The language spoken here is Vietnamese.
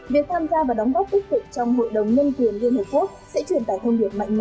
việc tham gia và đóng góp tích cực trong hội đồng nhân quyền liên hợp quốc sẽ truyền tải thông điệp mạnh mẽ